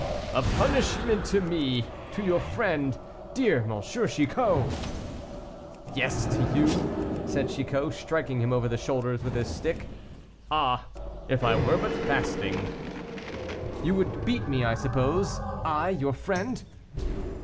"A punishment to me, to your friend, dear M. Chicot!" "Yes, to you," said Chicot, striking him over the shoulders with his stick. "Ah! if I were but fasting." "You would beat me, I suppose; I, your friend."